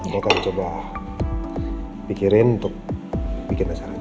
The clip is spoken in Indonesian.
mama akan coba pikirin untuk bikin acaranya